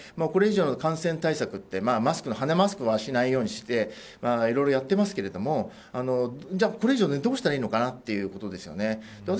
これ以上の感染対策って鼻マスクはしないようにしていろいろやっていますがこれ以上どうしたらいいのかなというところですよね。